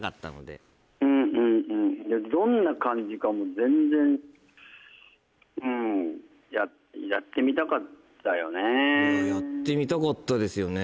どんな感じかも全然やってみたかったですよね